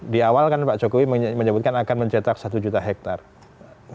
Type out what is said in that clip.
di awal kan pak jokowi menyebutkan akan mencetak satu juta hektare